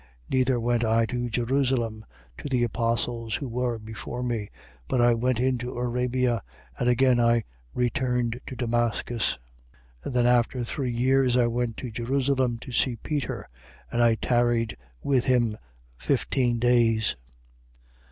1:17. Neither went I to Jerusalem, to the apostles who were before me: but I went into Arabia, and again I returned to Damascus. 1:18. Then, after three years, I went to Jerusalem to see Peter: and I tarried with him fifteen days.